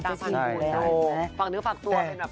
และว่นนอกผักมือแบบโอเค